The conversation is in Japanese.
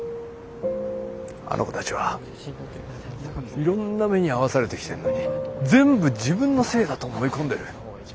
あの子たちはいろんな目に遭わされてきてんのに全部自分のせいだと思い込んでる。